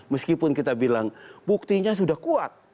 meskipun kita bilang buktinya sudah kuat